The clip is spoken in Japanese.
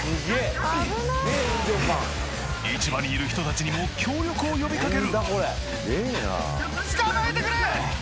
市場にいる人達にも協力を呼びかける！